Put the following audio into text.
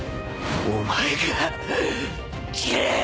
「お前が斬れ！」